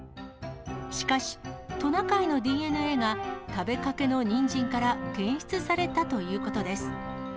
しかし、トナカイのＤＮＡが食べかけのニンジンから検出されたということです。